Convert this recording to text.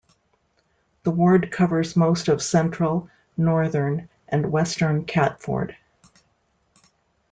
The ward covers most of central, northern and western Catford.